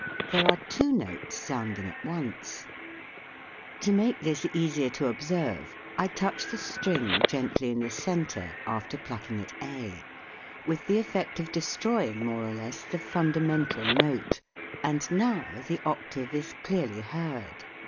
There are two notes sounding at once. 144 THE WORLD OF SOUND To make this easier to observe, I touch the string gently in the centre, after plucking at A, with the effect of destroying more or less the funda mental note, and now the octave is clearly heard.